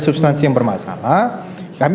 substansi yang bermasalah kami